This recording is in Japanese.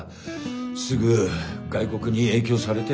すぐ外国に影響されて。